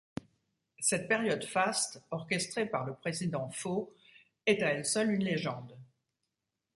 Cette période faste, orchestrée par le président Fau, est à elle seule une légende.